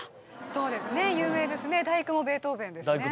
そうですね有名ですね「第九」もベートーヴェンですね